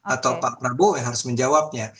atau pak prabowo yang harus menjawabnya